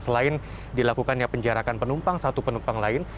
selain dilakukannya penjarakan penumpang satu penumpang lain